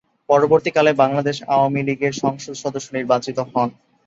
পরবর্তী কালে বাংলাদেশ আওয়ামী লীগের সংসদ সদস্য নির্বাচিত হন।